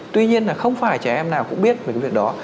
tuy nhiên là không phải trẻ em nào cũng biết về cái việc đó